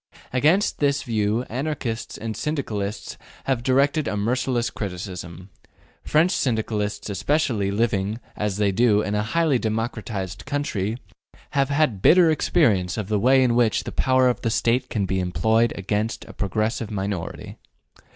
Against this view, Anarchists and Syndicalists have directed a merciless criticism. French Syndicalists especially, living, as they do, in a highly democratized country, have had bitter experience of the way in which the power of the State can be employed against a progressive minority.